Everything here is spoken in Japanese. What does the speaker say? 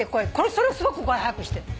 それをすごく速くしてる。